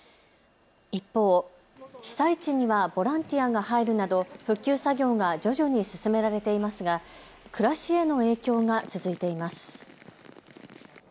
一方、被災地にはボランティアが入るなど復旧作業が徐々に進められていますが暮らしへの影響が続いています。